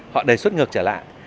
họ đề xuất ngược trở lại